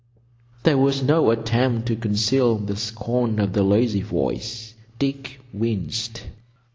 There was no attempt to conceal the scorn of the lazy voice. Dick winced.